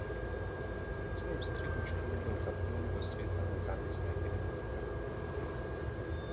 Celou střední školu byl zapojen do světa nezávislé kinematografie.